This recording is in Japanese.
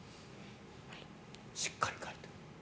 しっかり書いてる。